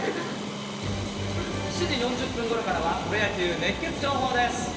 ７時４０分ごろからは、プロ野球熱ケツ情報です。